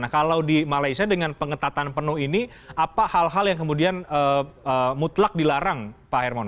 nah kalau di malaysia dengan pengetatan penuh ini apa hal hal yang kemudian mutlak dilarang pak hermono